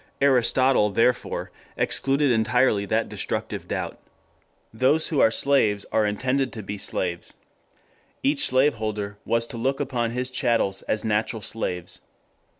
Aristotle, therefore, excluded entirely that destructive doubt. Those who are slaves are intended to be slaves. Each slave holder was to look upon his chattels as natural slaves.